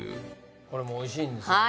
これもおいしいんですよね